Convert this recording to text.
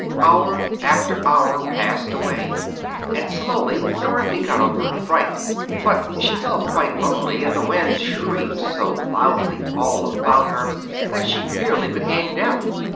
Hour after hour passed away, and slowly Dorothy got over her fright; but she felt quite lonely, and the wind shrieked so loudly all about her that she nearly became deaf.